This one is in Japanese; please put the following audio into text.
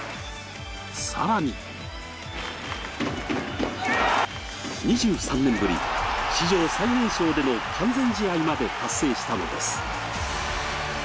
更に２３年ぶり、史上最年少での完全試合まで達成したのです。